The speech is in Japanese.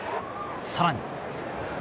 更に。